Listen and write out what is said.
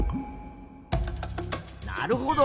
なるほど。